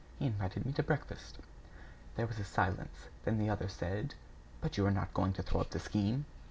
He invited me to breakfast." There was a brief silence. Then the other said: "But you are not going to throw up the scheme?"